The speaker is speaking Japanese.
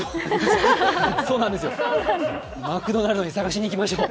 そうなんです、マクドナルドに捜しに行きましょう。